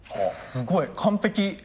すごい完璧！